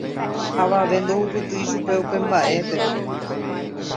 Avave ndohupytýi chupe upe mbaʼépe.